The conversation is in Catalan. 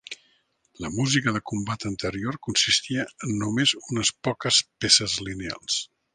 La música de combat anterior consistia en només unes poques peces lineals.